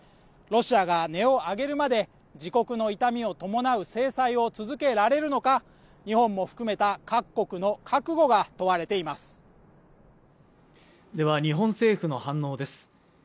ロシアが音を上げるまで自国の痛みを伴う制裁を続けられるのか日本も含めた各国の覚悟が問われていますでは日本政府の反応です